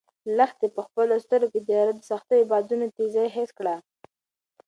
لښتې په خپلو سترګو کې د غره د سختو بادونو تېزي حس کړه.